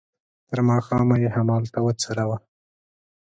تر ماښامه یې همالته وڅروه.